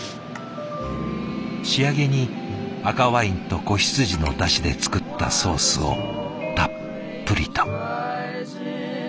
仕上げに赤ワインと子羊のだしで作ったソースをたっぷりと。